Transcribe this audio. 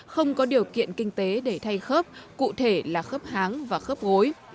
không có điều kiện kinh tế để thay khớp cụ thể là khớp háng và khớp gối